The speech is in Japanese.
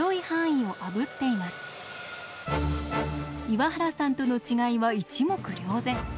岩原さんとの違いは一目瞭然。